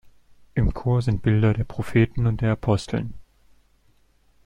Im Chor sind Bilder der Propheten und der Aposteln.